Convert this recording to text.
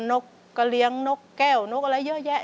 นกก็เลี้ยงนกแก้วนกอะไรเยอะแยะ